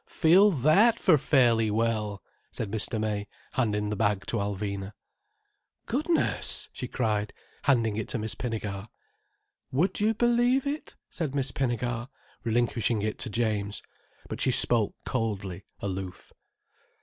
Feel that, for fairly well!" said Mr. May, handing the bag to Alvina. "Goodness!" she cried, handing it to Miss Pinnegar. "Would you believe it?" said Miss Pinnegar, relinquishing it to James. But she spoke coldly, aloof.